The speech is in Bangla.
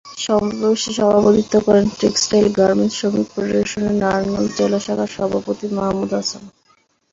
সমাবেশে সভাপতিত্ব করেন টেক্সটাইল গার্মেন্টস শ্রমিক ফেডারেশনের নারায়ণগঞ্জ জেলা শাখার সভাপতি মাহমুদ হাসান।